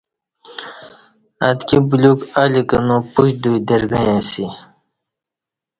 اتکی بولیوک الی کنا پوچ دوئی درگݩعی اسی